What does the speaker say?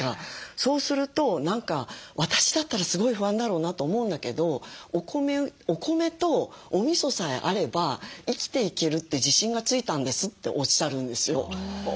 そうすると何か私だったらすごい不安だろうなと思うんだけど「お米とおみそさえあれば生きていけるって自信がついたんです」っておっしゃるんですよ。